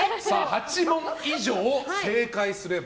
８問以上、正解すれば。